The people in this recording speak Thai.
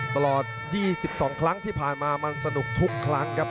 ตลอด๒๒ครั้งที่ผ่านมามันสนุกทุกครั้งครับ